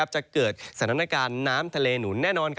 จะเกิดสถานการณ์น้ำทะเลหนุนแน่นอน